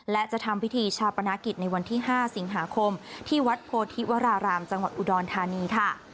และจะทำพิธีชาปนากิจในวันที่๕สิงหาคมที่วัดโพธิวรารามจังหวัดอุดรธานีค่ะ